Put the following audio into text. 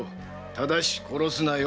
ただし殺すなよ。